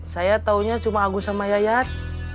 saya taunya cuma agus sama yayat